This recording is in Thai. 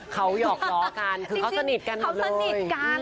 เขาหยอกล้อกันคือเขาสนิทกันเลย